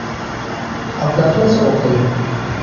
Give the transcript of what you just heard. افلاطون څه غوښتل؟